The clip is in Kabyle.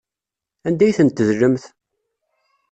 Anda ay ten-tedlemt?